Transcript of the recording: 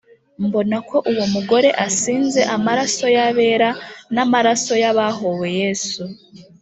Mbona ko uwo mugore asinze amaraso y’abera n’amaraso y’abahōwe Yesu.